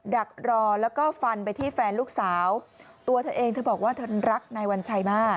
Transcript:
ดักรอแล้วก็ฟันไปที่แฟนลูกสาวตัวเธอเองเธอบอกว่าเธอรักนายวัญชัยมาก